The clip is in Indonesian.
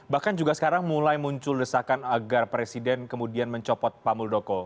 bahkan juga sekarang mulai muncul desakan agar presiden kemudian mencopot pak muldoko